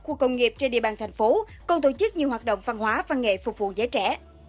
khu công nghiệp trên địa bàn thành phố còn tổ chức nhiều hoạt động văn hóa văn nghệ phục vụ giới trẻ